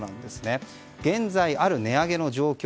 現在ある値上げの状況